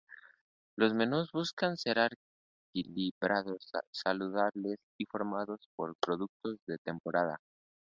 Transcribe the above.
Los menús buscan ser equilibrados, saludables y formados por productos de temporada.